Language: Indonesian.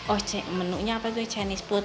oh menunya apa itu chinese food